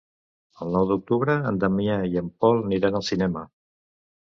El nou d'octubre en Damià i en Pol aniran al cinema.